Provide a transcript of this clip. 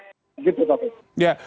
terima kasih taufik